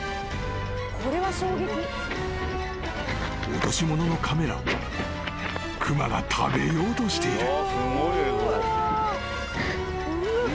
［落とし物のカメラを熊が食べようとしている］